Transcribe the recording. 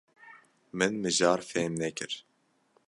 Min mijar fêm nekir.